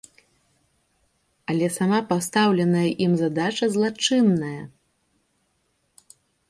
Але сама пастаўленая ім задача злачынная!